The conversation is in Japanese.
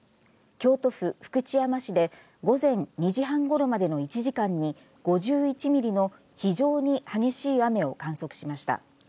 京都府福知山市で午前２時半ごろまでの１時間に５１ミリの非常に激しい雨を観測しました。